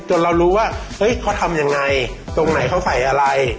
เรารู้ว่าเฮ้ยเขาทำยังไงตรงไหนเขาใส่อะไร